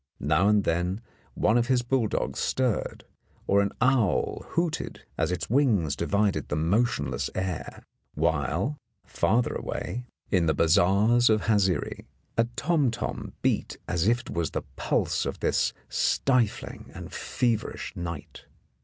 Now and then one of his bull dogs stirred, or an owl hooted as its wings divided the motionless air, while farther away, in the bazaars I 12 In the Dark of Haziri, a tom tom beat as if it was the pulse of this stifling and feverish night.